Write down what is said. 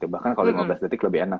bahkan kalau lima belas detik lebih enak